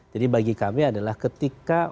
jadi bagi kami adalah ketika